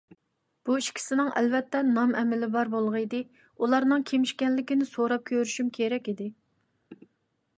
بۇ ئىككىسىنىڭ ئەلۋەتتە نام - ئەمىلى بار بولغىيدى، ئۇلارنىڭ كىم ئىكەنلىكىنى سوراپ كۆرۈشۈم كېرەك ئىدى.